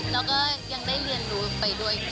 แล้วก็ยังได้เรียนรู้ไปด้วย